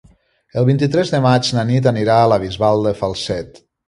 El vint-i-tres de maig na Nit anirà a la Bisbal de Falset.